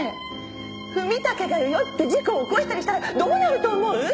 文武が酔って事故を起こしたりしたらどうなると思う？